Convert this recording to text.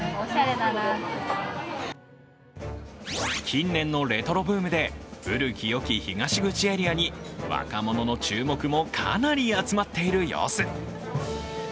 近年のレトロブームで古きよき東口エリアに若者の注目もかなり集まっている様子。